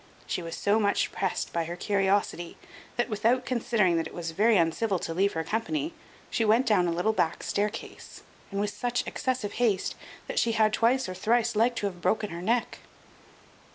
She was so much pressed by her curiosity that, without considering that it was very uncivil to leave her company, she went down a little back staircase, and with such excessive haste that she had twice or thrice like to have broken her neck.